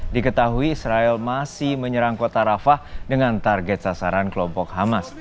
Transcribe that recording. diketahui israel masih menyerang kota rafah dengan target sasaran kelompok hamas